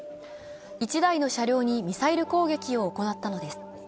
１台の車両にミサイル攻撃を行ったのです。